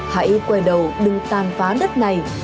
hãy quay đầu đừng tan phá đất này